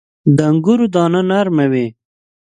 • د انګورو دانه نرمه وي.